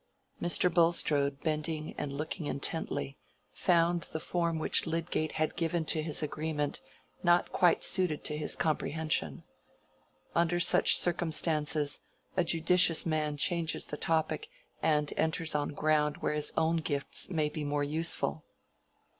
Mr. Bulstrode, bending and looking intently, found the form which Lydgate had given to his agreement not quite suited to his comprehension. Under such circumstances a judicious man changes the topic and enters on ground where his own gifts may be more useful.